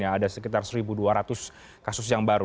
ada sekitar satu dua ratus kasus yang baru